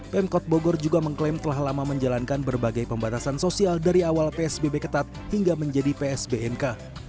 pemkot bogor juga mengklaim telah lama menjalankan berbagai pembatasan sosial dari awal psbb ketat hingga menjadi psbmk